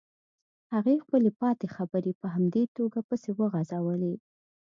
هغې خپلې پاتې خبرې په همدې توګه پسې وغزولې.